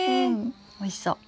おいしそう。